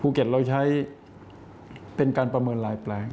ภูเก็ตเราใช้เป็นการประเมินรายแปลง